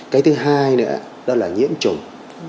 cái thứ hai nữa đó là nhiễm trùng